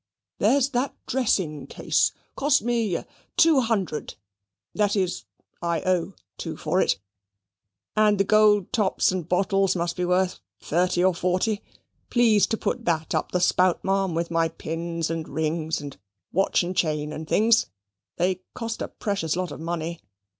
"There's that dressing case cost me two hundred that is, I owe two for it; and the gold tops and bottles must be worth thirty or forty. Please to put THAT up the spout, ma'am, with my pins, and rings, and watch and chain, and things. They cost a precious lot of money.